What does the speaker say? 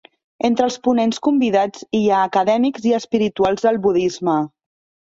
Entre els ponents convidats hi ha acadèmics i espirituals del budisme.